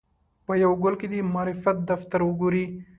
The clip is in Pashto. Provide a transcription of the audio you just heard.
په یوه ګل کې دې د معرفت دفتر وګوري.